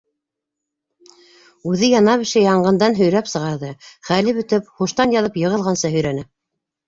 Үҙе яна-бешә янғындан һөйрәп сығарҙы, хәле бөтөп, һуштан яҙып йығылғансы һөйрәне.